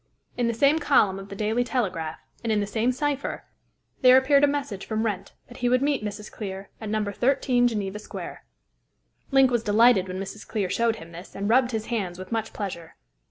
In the same column of the Daily Telegraph, and in the same cypher, there appeared a message from Wrent that he would meet Mrs. Clear at No. 13 Geneva Square. Link was delighted when Mrs. Clear showed him this, and rubbed his hands with much pleasure.